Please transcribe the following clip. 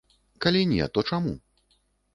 Калі не, то чаму?